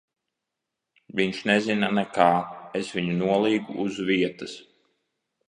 Viņš nezina nekā. Es viņu nolīgu uz vietas.